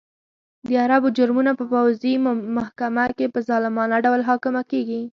د عربو جرمونه په پوځي محکمه کې په ظالمانه ډول محاکمه کېږي.